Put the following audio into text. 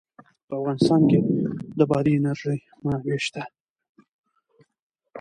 په افغانستان کې د بادي انرژي منابع شته.